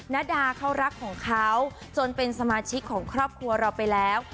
นาดาเขารักของเขาจนเป็นสมาชิกของครอบครัวเราไปแล้ว